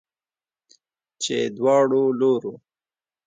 چې دواړو لورو